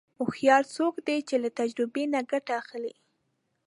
هوښیار څوک دی چې له تجربې نه ګټه اخلي.